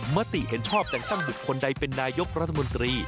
มติเห็นชอบแต่งตั้งบุคคลใดเป็นนายกรัฐมนตรี